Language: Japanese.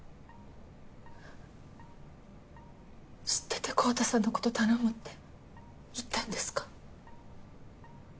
知ってて昂太さんのこと頼むって言ったんですか？